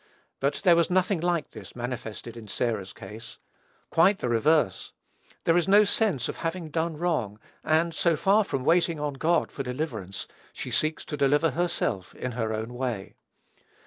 But there was nothing like this manifested in Sarah's case. Quite the reverse. There is no sense of having done wrong; and, so far from waiting on God for deliverance, she seeks to deliver herself in her own way.